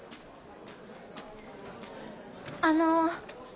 あの。